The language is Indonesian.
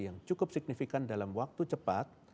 yang cukup signifikan dalam waktu cepat